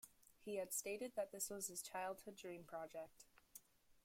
He had stated that this was his childhood dream-project.